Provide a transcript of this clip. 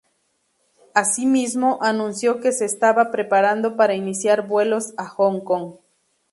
Así mismo, anunció que se estaba preparando para iniciar vuelos a Hong Kong.